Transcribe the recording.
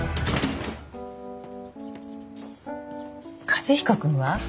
和彦君は？